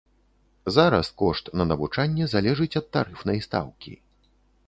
Зараз кошт на навучанне залежыць ад тарыфнай стаўкі.